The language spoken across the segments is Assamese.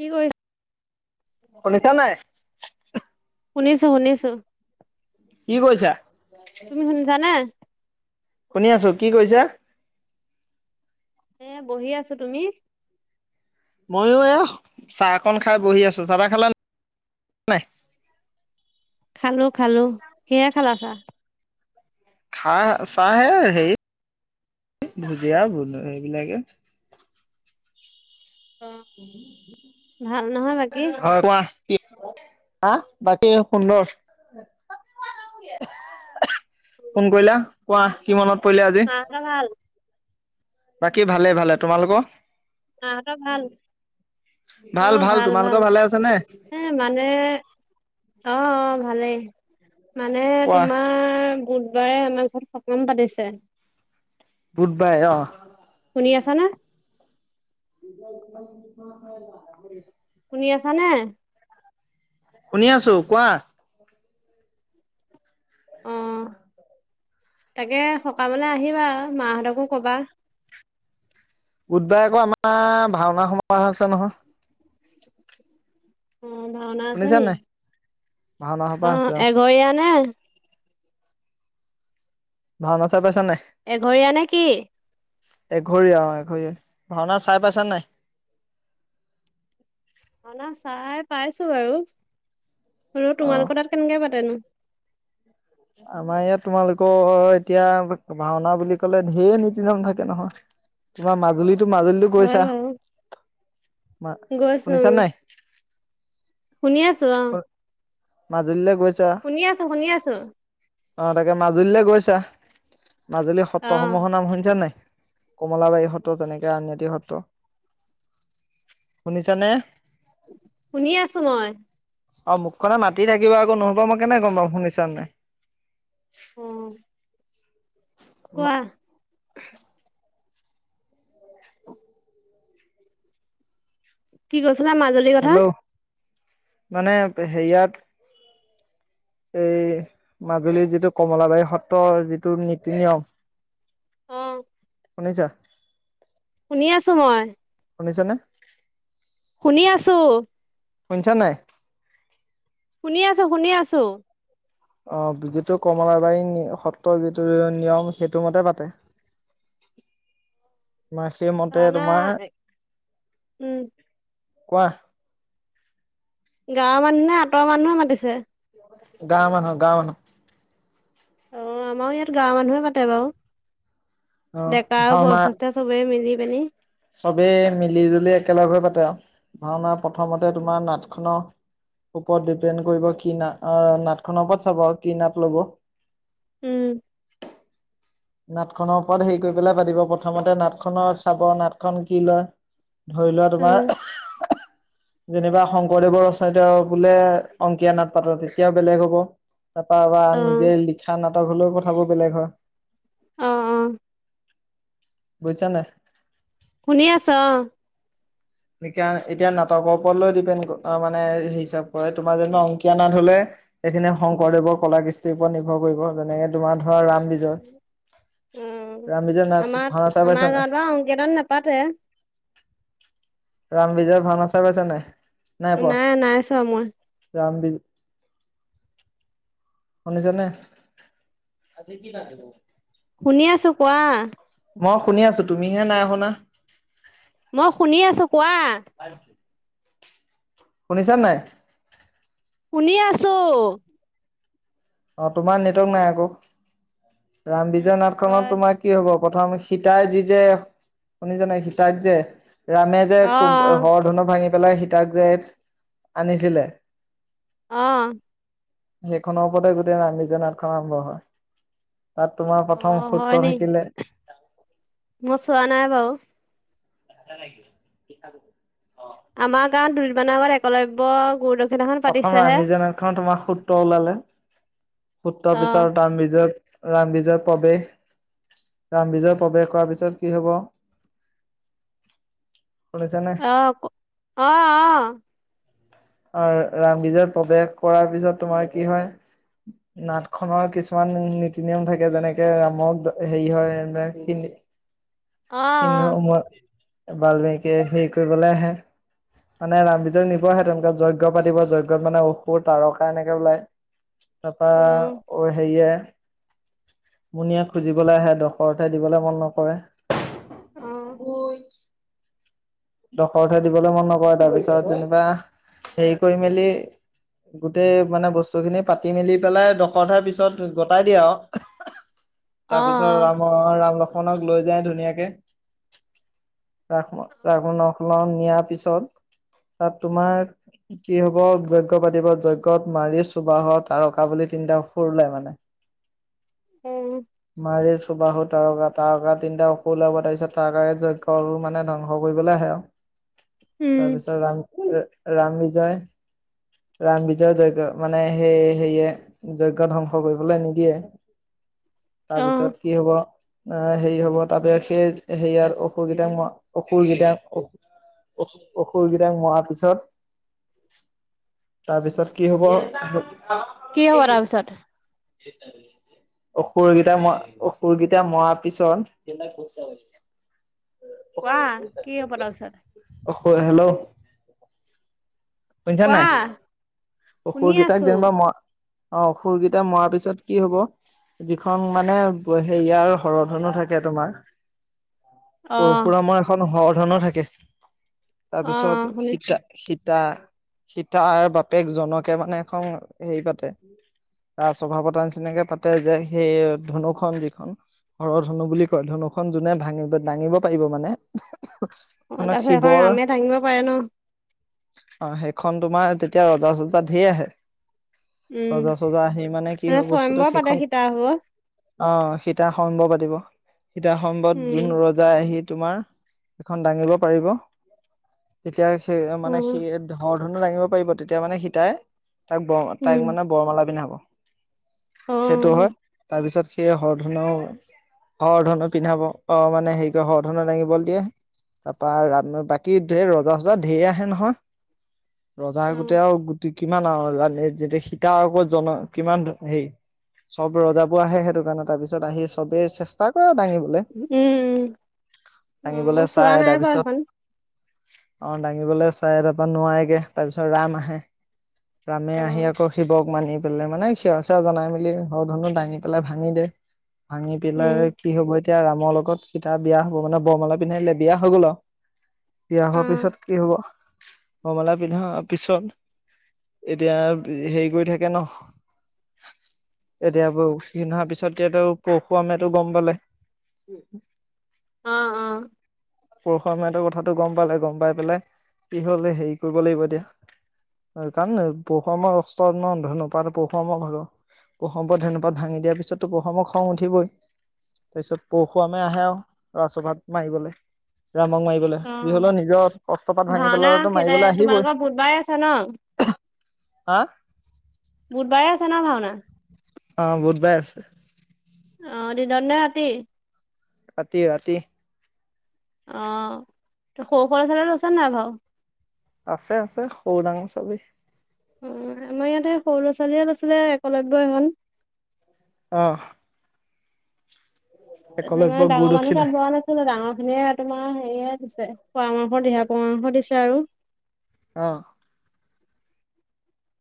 কি কৰিছ? শুনিছা নাই? শুনিছো শুনিছোঁ। কি কৰিছা? তুমি শুনিছানে? শুনি আছো কি কৈছা? এ বহি আছো। তুমি? মইও এ, চাহকন খাই বহি আছো। চাহা তাহঁ খালে নাই? খালো খালো। কিহে খালা চা? খাহ চাহে হে ভুজিয়া বন সেইবিলাকে। [unintelligible] ভাল নহয় বাকী হয়, কোৱা? হা' বাকী সুন্দৰ। ফোন কৰিলা। কোৱা কিমানত মা হঁতৰ ভাল? বাকী ভালে-ভালে। তোমালোকৰ? মা হঁতৰ ভাল? অ' ভাল তোমালোকৰ ভাল। ভালে আছে নে? উম মানে অ' অ' ভালেই মানে কোৱা তোমাৰ বুধবাৰে আমাৰ ঘৰত সকাম পাতিছে। গুড বাই অ শুনি আছা নে? [inaudible] শুনি আছা নে? শুনি আছো, কোৱা। অ খুব মান [unintelligible] তাকে সকামলৈ আহিবা, মা হঁতকো কবা। বুধবাৰে আকৌ আমাৰ ভাওনা সমাৰোহ আছে নহয়। অ ভাওনা আছে শুনিছা নে? নাই? ভাওনা সবাহ আছে অ' এঘৰীয়া নে? ভাও না চাই পাইছা নাই? এঘৰীয়া নে কি? এঘৰীয়া অ' এঘৰীয়া ভাওনা চাই পাইছ নাই? অ' চাই পাইছো বাৰু। অ', তোমালোক তাত কেনেকে পাতেনো? আমাৰ ইয়াত তোমালোকৰ এতিয়া ভাওনা বুলি কলে ঢেৰ নীতি নিয়ম থাকে নহয়। তোমাৰ মাজুলীতটো, মাজুলীতো হয় গৈছা, বাৰু মা গৈছো শুনিছা উম, নাই? শুনি আছো অ, মাজুললৈ গৈছা? শুনি আছো, শুনি আছো। অ' তাকে মাজুলীলৈ গৈছা, মাজুলী অ', সত্ৰসমূহৰ নাম শুনিছা নাই? কমলাবাৰী সত্ৰ তেনেকে আন এটি সত্ৰ। শুনিছা নে? শুনি আছো মই। অ' মুখনে মাতি থাকিব আকৌ, নহ'ব মই কেনে গম পাম শুনিছা নাই। উম। কোৱা? কি কৈছিলা? মাজুলীৰ কথা। হেল্ল' মানে সেয়াত এই মাজুলীৰ যিটো কমলাবাৰী সত্ৰৰ যিটো নীতি নিয়ম। উম। শুনিছা? শুনি আছো মই। শুনিছেনে? শুনি আছো। শুনিছা নাই? শুনি আছো শুনি আছো। অ যিটো কমলাবাৰী সত্ৰৰ যিটো নিয়ম সেইটো মতে পাতে। অ [unintelligible] তোমাৰ সেইমতে তোমাৰ, উম, কোৱা। গাঁৱৰ মানুহ নে আঁতৰ মানুহে মাতিছে। গাঁও মানহ গাঁৱৰ মানুহ। অ আমাৰো ইয়াত গাঁৱৰ মানুহে পাতে বাৰু। অ' ডেকা আৰু ভাওনা বয়সস্থ চবে মিলি পেনি। চবেই মিলি জুলি একেলগে পাতে আৰু, ভাওনা প্ৰথমতে তোমাৰ নাট খনৰ। ওপৰত ডিপেণ্ড কৰিব কি ন নাটখনৰ ওপৰত চাব কি নাট ল'ব। উম নাটখনৰ ওপৰত হেৰি কৰি পেলাই পাতিব প্ৰথমতে নাটখনৰ চাব নাটখন কি লয়। ধৰি লোৱা উম, তোমাৰ। যেনিবা শংকৰদেৱৰ ৰচনাত বোলে অংকীয়া নাট পাতা তেতিয়াও বেলেগ হব। তাৰা বা অ', নিজে লিখা নাটক হলেও কথাবোৰ বেলেগ হয়। অ অ বুজিছা নাই? শুনি আছো অ। ন এতিয়া নাটকৰ ওপৰত লৈ ডিপেণ্ড মানে হিচাপ কৰে তোমাৰ যেনিবা অংকীয়াা নাট হলে। সেইখিনিয়ে শংকৰদেৱৰ কলা কৃষ্টিৰ ওপৰত নিৰ্ভৰ কৰিব যেনেকে তোমাৰ ধৰা ৰাম বিজয়। উম ৰাম বিজয় নাচ আমাৰ ভাওনা চাই পাইছা আমাৰ নাই গাঁৱত বা সংকেতন নাপাতে। ৰাম বিজয় ভাওঁনা চাই পাইছা নাই? নাই নাই চোৱা মই। ৰাম বিজয় শুনিছ নে। শুনি আছো কোৱা। মই শুনি আছো তুমিহে নাই শুনা। মই শুনি আছো কোৱা। শুনিছা নাই। শুনি আছোঁ অ তোমাৰ নেটক নাই আক, ৰাম উম, বিজয় নাট খনত হয় তোমাৰ কি হব। প্ৰথম সীতাই যি যে তুমি জানা সীতাক্ যে ৰামে যে কুম অ', হৰধনু ভাঙি পেলাই সীতাক যে আনিছিলে। অহ। সেইখনৰ ওপৰতে গোটেই ৰাম বিজয় নাটখন আৰম্ভ হয়। তাত তোমাৰ প্ৰথম অ', হয় সূত্ৰ নি থাকিলে, মই চোৱা নাই বাৰু। লাগ আমাৰ গাঁৱত দুদিনমানৰ আগত এককলব্য গুৰুদৱ প্ৰথম ৰাম্বিজ এখনত তোমাৰ সূত্ৰ ওলালে অ', সূত্ৰৰ পিছত ৰামিজত ৰাম বিজয়ৰ প্ৰৱেশ ৰামবিজয়ৰ প্ৰৱেশ হোৱা পিছত কি হব [unintelligible] শুনিছানে আহ অঁ অঁ অ ৰামবিজয়ৰ প্ৰৱেশ কৰাৰ পিছত তোমাৰ কি হয় নাট খনৰ কিছুমান নীতি নিয়ম থাকে যেনেকে ৰামক হেৰি হয় [unintelligible] সিন্ধ অ', সমত বাল্মীকি য়ে হেৰি কৰিবলৈ আহে মানে ৰামবিজয়ক্ নিব আহে তেওঁলোকে যজ্ঞ পাতিব যজ্ঞত মানে অসুৰ তাৰকা এনেকে ওলায় উম, তাৰপৰা সেয়ে মুনিয়ে খুজিবলৈ আহে দখৰতে দিবলে মন নকৰে। অ', গই। দখ উথে দিবলৈ মন নকৰে তাৰপিছত যেনিবা হে কৰি মেলি। গোটেই মানে বস্তু খিনি পাতি মেলি পেলাই দশধাৰ পিছত গোটাই দিয়ে আও। [unintelligible] তাৰপিছত অ', ৰাম ৰাম লক্ষ। লক্ষ্মণক লৈ যায় ধুনীয়াকে ৰ। ৰাঘ নখল নিয়াৰ পিছত তাত তোমাৰ। কি হব যজ্ঞ পাতিব যজ্ঞত মাৰি চুবাহত আৰু অকা বুলি তিনিটা সুৰলে মানে। অহ মাৰি চুবাহু তাৰকা তাৰকা তিনটা অসখ ওলাব তাৰ পিত তকাৰে যজ্ঞু মানে ধ্বং। স কৰিবলৈ আহে আৰু উম, তাৰপিছত ৰাম ৰাম বিজয়। ৰাম বিজয় যজ্ঞ মানে সেই সেয়ে যজ্ঞ ধ্বংস কৰিবলৈ নিদিয়ে। [unintelligible] অ', তাৰপিছত কি হব অ হেৰি হব তাৰাপি সেই হেয়াৰ অসুৰ কেইটা ম। অসুৰ কেইটাক অ অ অসুৰ কেইটাক মাৰ পিছত। তাৰপিছত কি হ'ব। কি হব তাৰ পিছত। সেইটাল অসুৰকেইটা ম অসুৰকেইটা মৰাৰ পিছত। কোৱা কি হব তাৰ পিছত। হেল্ল'। শুনিছা নাই কোৱা। শুনি আছো। অশুৰকেইটাক যেনিবা মই। অ খুৰকেইটা মৰাৰ পিছত কি হব। যিখন মানে হেৰিয়াৰ হৰধনো থাকে তোমাৰ। অ', পৰশুৰামৰ এখন হৰ ধনুৰৰ থাকে তাৰপিছত অ', শুনিছো সীতা। সীতা বাপেক জনকে মানে এখন হেৰি পাতে। তাৰ স্বভাৱতাৰ নিচিনাকে পাতে যে সেই ধনুখন যিখন। ঘৰৰ ধনু বুলি কয় ধনুখন যোনে ভাঙিব দাঙিব পাৰিব মানে। অ সেইখনত তাৰপিছত এখন শিৱৰ ৰামে ভাঙিব পাৰে ন। অ সেইখন তোমাৰ তেতিয়া ৰজা চজা ঢেৰ আহে। উম। ৰজা চজা আহি মানে কি হয় বস্তুটো স্বয়ম্বৰ পাতে সেইখন। সীতা ভাগত অ সীতা সমমভ পাতিব সীতা সমমভত যোন উম, ৰজাই আহি। তোমাৰ এখন দাঙিব পাৰিব তেতিয়া সেই মানে সি। উম, বৰধন দাঙিব পাৰিব তেতিয়া মানে সীতাই তাক ব উম, তাই মানে বৰমালা পিন্ধাব। অ', সেইটো হয় তাৰপিছত সেই হৰধনু ও। অ ধনৰু পিন্ধাব অ মানে হেৰি কয় হৰ ধন দাঙিব দিয়ে। তাৰ পৰাা বাকীৰ ৰজা চজা ঢেৰ আহে নহয়। ৰজা অ', গোটেই আৰু গোট কিমান আৰু জানে যেয়া সীতা আকৌ জন কিমান হেই। চব ৰজাবোৰ আহে সেইটো কাৰণে তাৰ পিছত আহি চবেই চেষ্টা কৰা দাঙি। উম, উম, অ', মই ভাঙিবলৈ চোৱা চাই নাই তাৰ বাৰু পিছত। সেইখন অ দাঙিবলৈ চাই তাৰপা নোৱাৰে তাৰপিছত ৰাম আহে। ৰামে আহি অ', আকৌ শিৱক মানি। লে মানে সেৱৰ চেৱ জনাই মেলি সৰ ধনু দাই নি পেলাই ভাঙি দে। ভাঙি উম, দিলাই কি হ'ব। এতিয়া ৰামৰ লগত কতিয়া বিয়া হ'ব মানে বৰমালা পিন্ধাইলে বিয়া হৈ গ'ল অ। বিয়া হোৱাৰ অ', পিছত কি হব। কমালা পিন্ধাৰ পিছত এতিয়া হেৰি কৰি থাকে ন। এতিয়া বৌ সি অহাৰ পিছত তেতিয়া টো পশুমটো গম পালে। উম। আহ', অ' পৰুষ মতৰ কথাটো গম পালে। গম পাই পেলাই কি হল হেৰি কৰিব লাগিব এতিয়া। কাৰণ পহুৱ আমাৰ কসষ্টমান ধ নপা পহুৱ আমাৰ ভালৰ। প্ৰশম্প ধনুপাত ভাঙি দিয়াৰ পিছতো পৰশুৰাম ৰ খং উঠিবই। তাৰপিছত পৰশুুৱমে আহে আৰু ৰা্ৰ ঘাত মাৰিবলৈ। মাৰিবলৈ কি হলেও নিজৰ অস্ত্ৰ পাত ভাঙি পেলালে সেইই তোমালোকৰ বুধবাৰে আছা ন? হা' বুধবাৰে আছে ন ভাওনা? অ বোধ বাই আছে। অ দিন নে ৰাতি? ৰাতি ৰাতি। অ' ত সৰু ছবি আছে নাই বাৰু। আছে আছে সৰু ডাঙৰ চবি। অ'আমাৰ ইয়াতে সৰু ল'ৰা-ছোৱালী হঁত আছিলে, এককলব্বৈ হল। আহ'। তোমাৰ গুৰু ডাঙৰ মানুহ দক্ষিণা তান বোৱা নাছিলোাঙৰ খিনিয়ে তোমাৰ সেয়াই দিছে পৰামৰ্শ দিহা পৰামৰ্শ দিছে আৰু। অ'।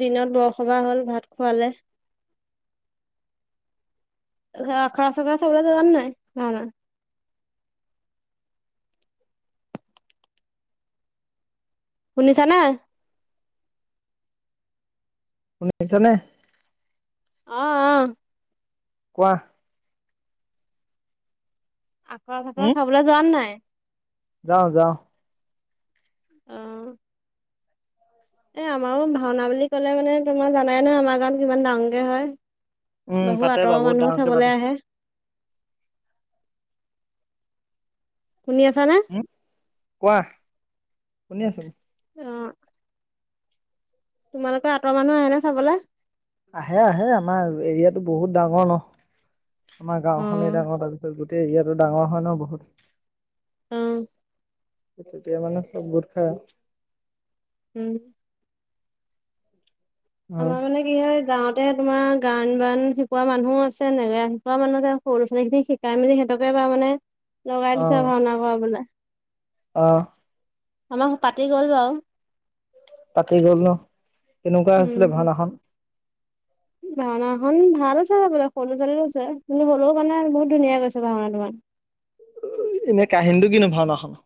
দিনত বৰসবাহ হ'ল, ভাত খোৱালে। আখৰা চাব চাবলে যাবা নাই মানে? [inaudible] শুনিছা নে? শুনি আছে নে? আহ'আহ। কোৱা? আখৰা-চকৰা চাবলৈ যোৱা নাই? যাও যাও। উম। এ, আমাৰো ভাওনা বুলি ক'লে মানে তোমাৰ জানাইে নহয়, আমাৰ গাঁত কিমান ডাঙকে হয়। উম বহু পাতে বাৰু আঁতৰৰ বহুত মানুহো ডাঙৰকে পাতে চাবলৈ আহে। শুনি আছানে? উম কোৱা শুনি আছো। অ'। তোমালোকৰ আঁতৰ মানুহ আহে ন চাবলৈ? আহে-আহে আমাৰ এৰিয়াাতটো বহুত ডাঙৰ ন। আমাৰ অ গাওখনেই ডাঙৰ তাৰপিছত গোটেই এয়াাতো ডাঙৰ হয় ন বহুত। উম। তেতিয়া মানে চব গোট খাই আও উম। আমাৰ মানে কি হয় গাঁৱত ত তোমাৰ গায়ন-বায়ন শিকোৱা মানুহ আছে নাই, গায়ন শিকোৱা মানুহ যে সৰু ল ছোৱালী খিনি শিকাই মি সিহঁতককে মানে লগাই দিছে ভাওনা কৰিবলে। আহ'। আমাৰ পাতি গ'ল বাৰু। পাতি গ'ল ন, কেনেকুৱা হৈছিলে উম ভাওনাখন? ভাওনাখন ভাল হৈছে হবলা সৰু লআ ছোৱালী লৈছে কিন্তু হ'লেও মানে বহুত ধুনীয়া গৈছে ভাওনা তোমাৰ [inaudible] এনে কাহিনীটো কিনো ভাওনা খনৰ?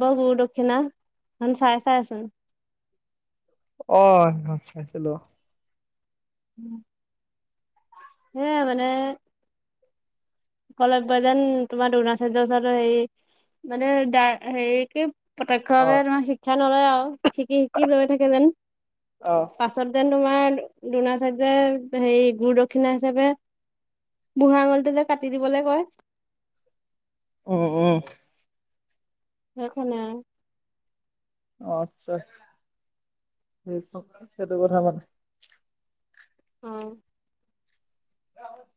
অ ' গুৰু-দক্ষিণা চাই চাই আছে। অ হেফন চাইছিলোঁ। উম হেয়া মানে একলব্য যেন তোমাৰ দৰণাচাৰ্য ওচৰত হেৰি মানে দা হেৰি কি প্ৰতক্ষ্য অ ভাৱে তোমাৰ শিক্ষা নলয় আৰু শিকি শিকি ৰৈ থাকে যেন অ পাছত যেন তোমাৰ দুনাচাৰ্য্যই যে হেৰি গুৰু দক্ষিণা হিচাপে বুঢ়া আঙুলিটো যে কাটি দিবলে কয়। উম উম সেইখনে আচ্ছা হেখন সেইটো কথা মানে। অহ অ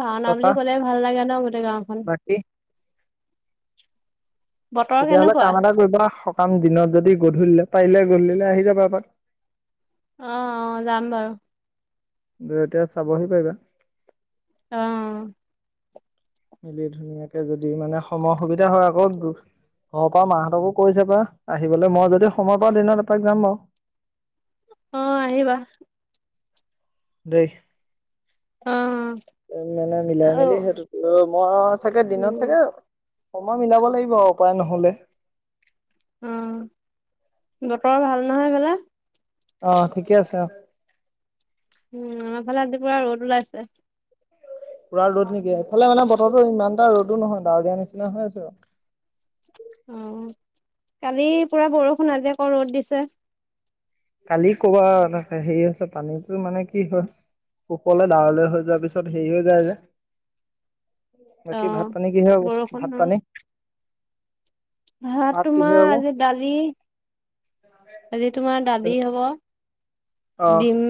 ভাওনা বুলি ক'লে ভাল লাগে ন গোটেই গাওখন। বাকী তেতিয়াহ'লে কেনেকুৱা কাম এটা কৰিবা সকাম দিনত যদি গধূলিলে পাৰিলে গধুলিলে আহি যাবা এপাক অ অ যাম বাৰু। এতিয়া চাবহি পাৰিবা। অ মিলি ধুনীয়াকে যদি মানে সময় সুবিধা হয়। আকৌ দু ঘ পা মাহঁতকো কৈছে চাবা আহিবলৈ মই যদি সময় পাও দিনত এপাক যাম বাৰু। অ আহিবা দেই অ অ মানে মিলাই মিলি সেইটোতো মই চাগে দিনত উম চাগে সময় মিলাব লাগিব আৰু উপায় নহলে। উম বতৰ ভাল নহয় হেফালে। অহ ঠিকে আছে অহ। উম আমাৰ ফালে আজিপুৰা ৰ'দ ওলাইছে পুৰা ৰ'দ নিকি ইফালে মানে বতৰো ইমান এটা ৰ'দো নহয় ডাৱৰ দিয়া নিচিনা হৈ আছেবাও অ কালি পুৰা বৰষুণ আজি আকৌ ৰ'দ দিছে। কালি কবা তে হেৰি আছে পানীটো মানে কি হয়। উপলে ডাৱলে হৈ যোৱাৰ পিছত হেৰি হৈ যায় যে [unintelligible] বাকী ভাত পানী কিহে হ'ব বৰষুণ ভাত অ পানী। ভাত কিহে তোমাৰ হব আজি দালি আজি তোমাৰ দালি হব। অ দিম